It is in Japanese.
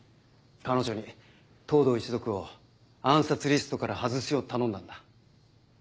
彼女に藤堂一族を暗殺リストから外すよう頼んだんだ。